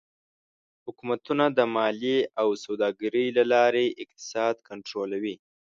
حکومتونه د مالیې او سوداګرۍ له لارې اقتصاد کنټرولوي.